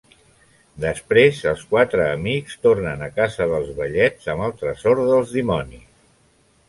Després, els quatre amics tornen a casa dels vellets amb el tresor dels dimonis.